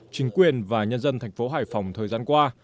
chính quyền và nhân dân tp hải phòng thời gian qua